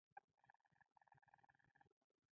بهشته صافۍ له کابل پوسټ ورځپاڼې.